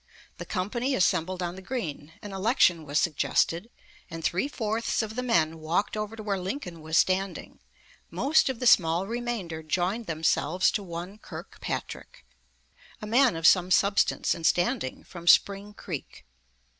The company assembled on the green, an election was suggested, and three fourths of the men walked over to where Lincoln was standing; most of the small remainder joined themselves to one Kirkpatrick, a man of some substance and standing from Spring Creek.